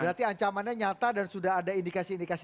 berarti ancamannya nyata dan sudah ada indikasi indikasi